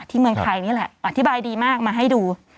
เมืองไทยนี่แหละอธิบายดีมากมาให้ดู